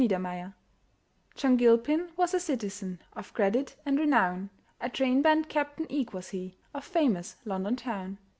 ] John Gilpin was a citizen Of credit and renown, A train band captain eke was he, Of famous London town.